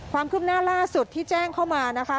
ความคืบหน้าล่าสุดที่แจ้งเข้ามานะคะ